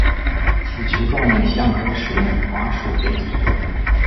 此球状影像可使用滑鼠点击移动。